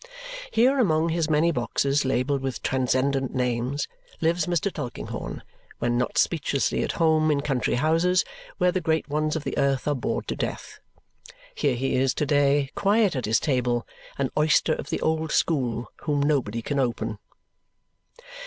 Here, among his many boxes labelled with transcendent names, lives Mr. Tulkinghorn, when not speechlessly at home in country houses where the great ones of the earth are bored to death. Here he is to day, quiet at his table. An oyster of the old school whom nobody can open.